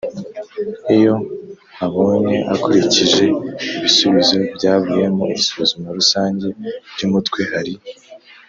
iyo abonye, akurikije ibisubizo byavuye mu isuzuma rusange ry’umutwe, hari